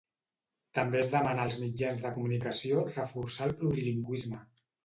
També es demana als mitjans de comunicació reforçar el plurilingüisme.